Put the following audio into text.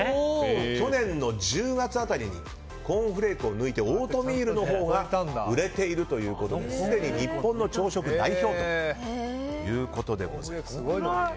去年の１０月辺りにコーンフレークを抜いてオートミールのほうが売れているということですでに日本の朝食代表ということです。